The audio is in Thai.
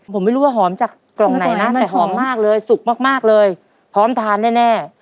ผมไม่รู้ว่าหอมจากกล่องไหนนะแต่หอมมากเลยสุกมากมากเลยพร้อมทานแน่